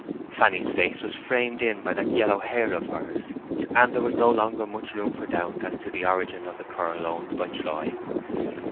Fanny's face was framed in by that yellow hair of hers; and there was no longer much room for doubt as to the origin of the curl owned by Troy.